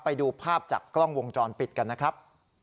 ไปดูภาพจากกล้องวงจรปิดกันนะครับ